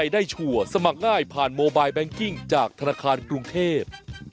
ได้ชัวร์สมัครง่ายผ่านโมบายแบงกิ้งจากธนาคารกรุงเทพ